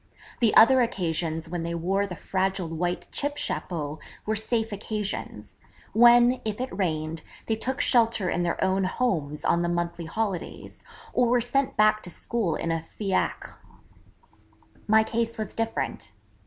The other occasions when they wore the fragile white chip chapeau were safe occasions, when, if it rained, they took shelter in their own homes on the monthly holidays, or were sent back to school in a fiacre. My case was different.